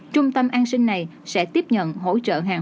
trung tâm an sinh này sẽ tiếp nhận hỗ trợ hàng